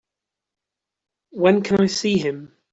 When can I see him?